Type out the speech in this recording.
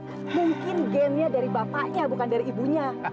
mungkin gennya dari bapaknya bukan dari ibunya